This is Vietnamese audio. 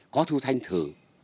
có thu thanh thử